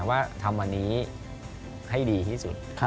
ว่าทำวันนี้ให้ดีที่สุด